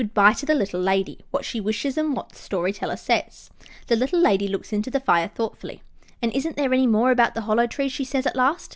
GOOD BYE TO THE LITTLE LADY WHAT SHE WISHES AND WHAT THE STORY TELLER SAYS The Little Lady looks into the fire thoughtfully. "And isn't there any more about the Hollow Tree?" she says at last.